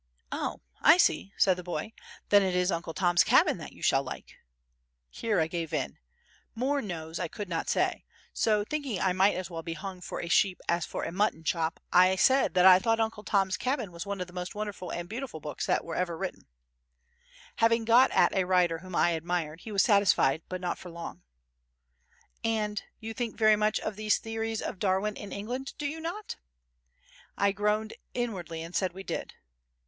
"Oh, I see," said the boy; "then it is Uncle Tom's Cabin that you shall like?" Here I gave in. More "Noes" I could not say, so, thinking I might as well be hung for a sheep as for a mutton chop, I said that I thought Uncle Tom's Cabin one of the most wonderful and beautiful books that ever were written. Having got at a writer whom I admired, he was satisfied, but not for long. "And you think very much of the theories of Darwin in England, do you not?" I groaned inwardly and said we did.